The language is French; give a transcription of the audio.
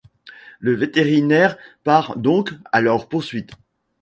Le vétérinaire part donc à leur poursuite.